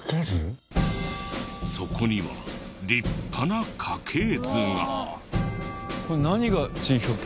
そこには立派な家系図が。